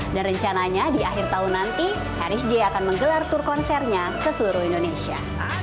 dan rencananya di akhir tahun nanti harris j akan menggelar tur konsernya ke seluruh indonesia